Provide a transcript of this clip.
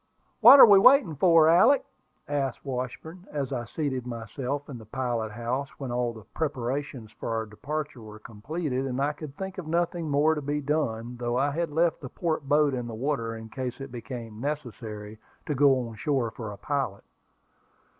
"What are we waiting for, Alick?" asked Washburn, as I seated myself in the pilot house when all the preparations for our departure were completed, and I could think of nothing more to be done, though I had left the port boat in the water in case it became necessary to go on shore for a pilot.